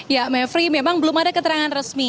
ya mevri memang belum ada keterangan resmi